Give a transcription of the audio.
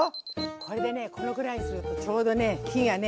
これでねこのぐらいするとちょうどね火がね